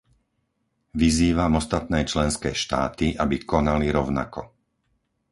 Vyzývam ostatné členské štáty, aby konali rovnako.